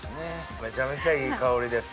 めちゃめちゃいい香りです。